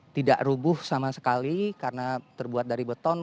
tidak rubuh sama sekali karena terbuat dari beton